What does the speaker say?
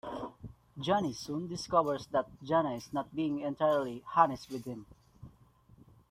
Johnny soon discovers that Jana is not being entirely honest with him.